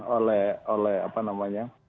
oleh oleh apa namanya